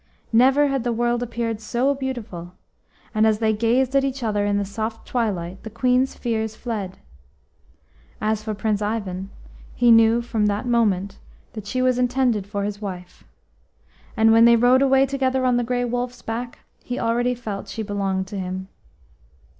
Never had the world appeared so beautiful, and as they gazed at each other in the soft twilight, the Queen's fears fled. As for Prince Ivan, he knew from that moment that she was intended for his wife, and when they rode away together on the Grey Wolf's back, he already felt she belonged to him.